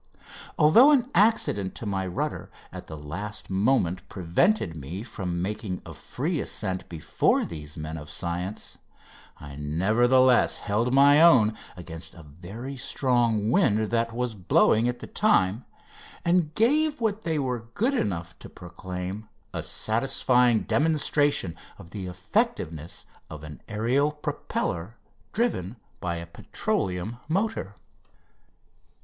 Although an accident to my rudder at the last moment prevented me from making a free ascent before these men of science I, nevertheless, held my own against a very strong wind that was blowing at the time, and gave what they were good enough to proclaim a satisfying demonstration of the effectiveness of an aerial propeller driven by a petroleum motor. [Illustration: MOTOR OF "No.